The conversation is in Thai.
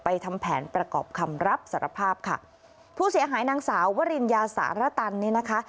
ทำแผนประกอบคำรับสารภาพค่ะผู้เสียหายนางสาววรินยาสารตันเนี่ยนะคะ